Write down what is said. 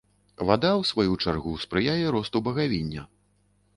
Вада, у сваю чаргу, спрыяе росту багавіння.